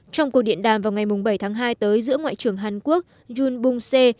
trong cuộc điện đàm vào ngày bảy tháng hai tới giữa ngoại trưởng hàn quốc jun bung se